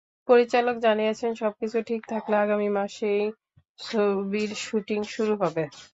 পরিচালক জানিয়েছেন, সবকিছু ঠিক থাকলে আগামী মাসেই ছবিটির শুটিং শুরু হবে।